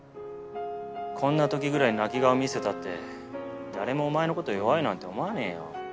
こんな時ぐらい泣き顔見せたって誰もお前の事弱いなんて思わねえよ。